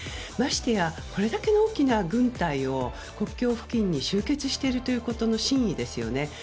ましてや、これだけの大きな軍隊を国境付近に集結していることの真意ですよね。